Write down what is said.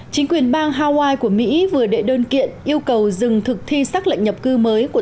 chính quyền bang hawaii của mỹ vừa đệ đơn kiện yêu cầu dừng thực thi xác lệnh nhập cư mới của